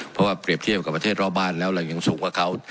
เพราะว่าเปรียบเทียบกับประเทศรอบบ้านแล้วเรายังสูงกว่าเขา